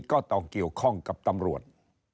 ก็ต้องเกี่ยวข้องกับตำรวจ